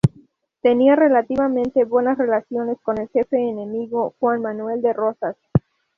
Tenía relativamente buenas relaciones con el jefe enemigo, Juan Manuel de Rosas.